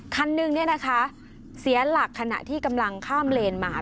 คันหนึ่งเนี่ยนะคะเสียหลักขณะที่กำลังข้ามเลนมา